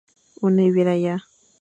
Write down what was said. One ewula ya?